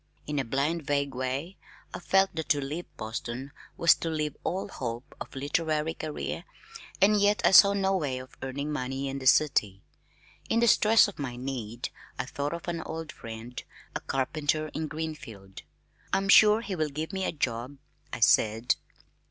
In a blind vague way I felt that to leave Boston was to leave all hope of a literary career and yet I saw no way of earning money in the city. In the stress of my need I thought of an old friend, a carpenter in Greenfield. "I'm sure he will give me a job," I said.